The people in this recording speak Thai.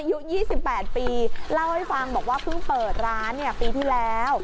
อายุ๒๘ปีเล่าให้ฟังบอกว่าเพิ่งเปิดร้านปีที่แล้ว